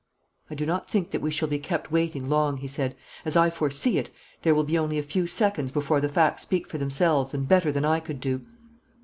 "I do not think that we shall be kept waiting long," he said. "As I foresee it, there will be only a few seconds before the facts speak for themselves and better than I could do."